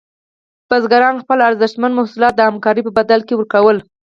بزګران خپل ارزښتمن محصولات د همکارۍ په بدل کې ورکول.